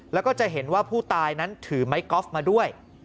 แล้วก็จะเห็นว่าผู้ตายนั้นถือไม้กอล์ฟมาด้วย